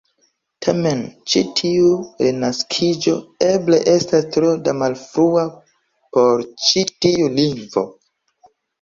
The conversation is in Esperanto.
Tamen, ĉi tiu "renaskiĝo" eble estas tro da malfrua por ĉi tiu lingvo.